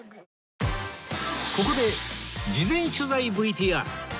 ここで事前取材 ＶＴＲ